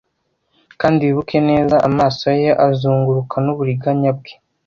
Kandi wibuke neza amaso ye azunguruka nuburiganya bwe,